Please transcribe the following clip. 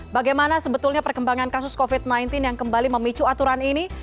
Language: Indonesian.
bagaimana sebetulnya perkembangan kasus covid sembilan belas yang kembali memicu aturan ini